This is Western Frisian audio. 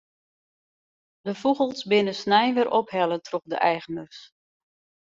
De fûgels binne snein wer ophelle troch de eigeners.